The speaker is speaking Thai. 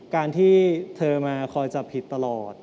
การที่เธอมาคอยจับผิดตลอด